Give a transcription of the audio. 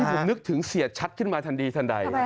ผมนึกถึงเสียชัดขึ้นมาทันทีทันใด